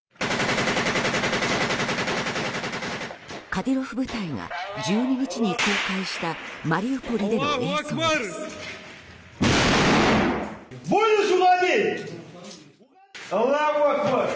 カディロフ部隊が１２日に公開したマリウポリでの映像です。